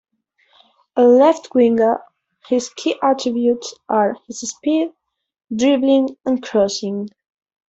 A left winger, his key attributes are his speed, dribbling and crossing.